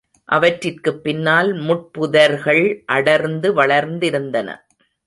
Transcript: அவற்றிற்குப் பின்னால் முட்புதர்கள் அடர்ந்து வளர்ந்திருந்தன.